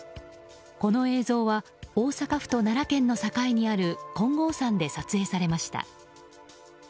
この映像は大阪府と奈良県の境にある金剛山で撮影されました。